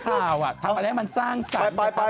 เพียงยอดตามไม่ได้อ่านสคริปท์เลย